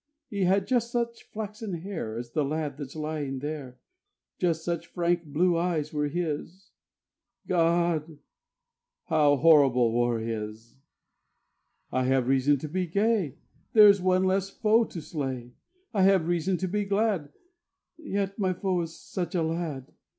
He had just such flaxen hair As the lad that's lying there. Just such frank blue eyes were his. ... God! How horrible war is! I have reason to be gay: There is one less foe to slay. I have reason to be glad: Yet my foe is such a lad.